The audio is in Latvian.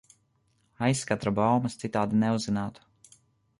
Aizkadra baumas citādi neuzzinātu.